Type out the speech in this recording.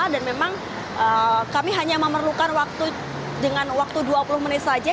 dan memang kami hanya memerlukan waktu dengan waktu dua puluh menit saja